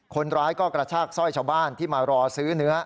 คนร้ายก็กระชากสร้อยชาวบ้านที่มารอซื้อเนื้อ